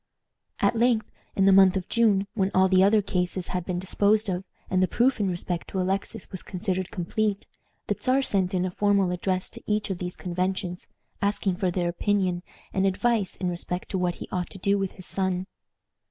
At length, in the month of June, when all the other cases had been disposed of, and the proof in respect to Alexis was considered complete, the Czar sent in a formal address to each of these conventions, asking their opinion and advice in respect to what he ought to do with his son.